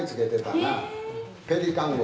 ペリカン号。